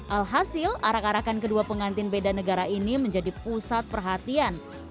alhasil arak arakan kedua pengantin beda negara ini menjadi pusat perhatian